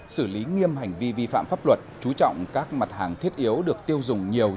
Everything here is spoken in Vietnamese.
xử lý nghiêm hành vi vi phạm pháp luật chú trọng các mặt hàng thiết yếu được tiêu dùng nhiều